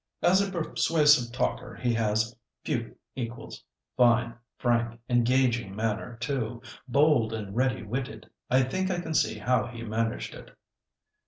"As a persuasive talker he has few equals. Fine, frank, engaging manner too. Bold and ready witted; I think I can see how he managed it."